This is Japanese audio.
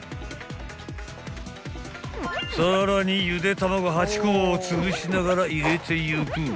［さらにゆでたまご８個をつぶしながら入れてゆく］